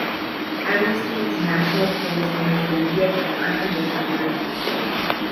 Amnesty International calls for his immediate and unconditional release.